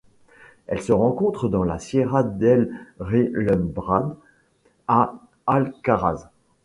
Elle se rencontre dans la Sierra del Relumbrar à Alcaraz.